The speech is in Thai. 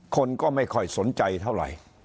คนก็ไม่ค่อยสนใจเท่าไหร่